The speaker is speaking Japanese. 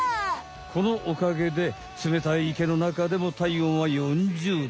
このおかげでつめたいいけのなかでもたいおんは４０ど。